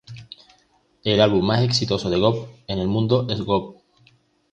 El álbum más exitoso de Gob en el mundo es Gob.